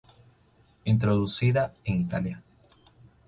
Introducida en Italia.